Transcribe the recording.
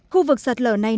khu vực sạt lở này